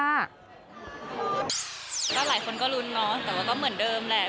ก็หลายคนก็ลุ้นเนาะแต่ว่าก็เหมือนเดิมแหละ